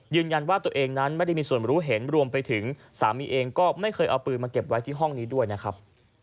ยืนยันว่าตัวเองนั้นไม่ได้มีส่วนรู้เห็นรวมไปถึงสามีเองก็ไม่เคยเอาปืนมาเก็บไว้ที่ห้องนี้ด้วยนะครับ